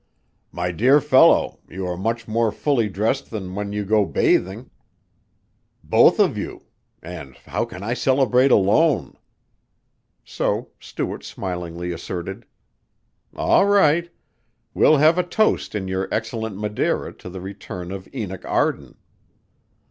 "My dear fellow, you are much more fully dressed than when you go bathing; both of you and how can I celebrate alone?" So Stuart smilingly asserted: "All right. We'll have a toast in your excellent Madeira to the return of Enoch Arden."